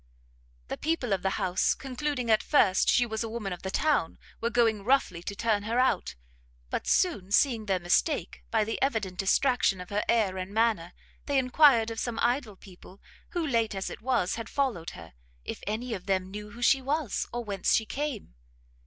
The people of the house, concluding at first she was a woman of the town, were going roughly to turn her out; but soon seeing their mistake, by the evident distraction of her air and manner, they enquired of some idle people who, late as it was, had followed her, if any of them knew who she was, or whence she came?